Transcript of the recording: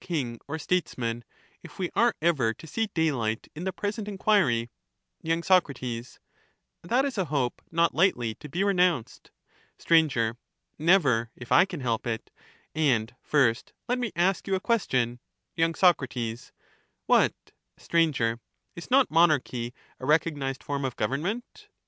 «p*»^^ king or Statesman, if we are ever to see daylight in the king at present enquiry. any cost. y. Soc. That, is, aJappe not lightly to be renounced. Sir. Never, if I can help it ; and, first, let me ask you a question. Y.Soc. What? Str. Is not monarchy a recognized form of government